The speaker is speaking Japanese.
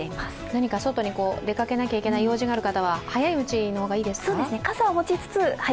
何か外に出かけなきゃ行けない用事のある方は早いうちの方がいいですか？